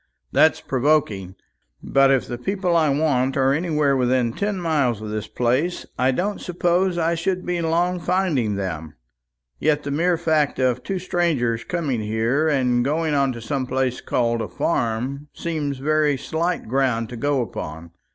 "That's provoking. But if the people I want are anywhere within ten miles of this place, I don't suppose I should be long finding them. Yet the mere fact of two strangers coming here, and going on to some place called a farm, seems very slight ground to go upon.